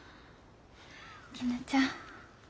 きぬちゃん。